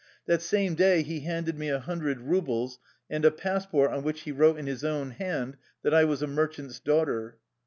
That same day he handed me a hundred rubles and a passport on which he wrote in his own hand that I was a "mer chant's daughter."